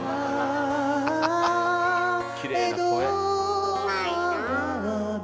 きれいな声。